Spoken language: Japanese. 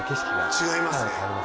違いますね